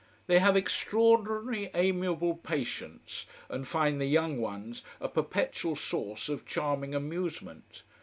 They have extraordinary amiable patience, and find the young ones a perpetual source of charming amusement.